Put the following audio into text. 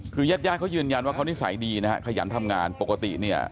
คือญาติญาติเขายืนยันว่าเขานิสัยดีนะฮะขยันทำงานปกติเนี่ย